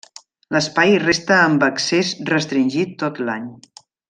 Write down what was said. L’espai resta amb accés restringit tot l’any.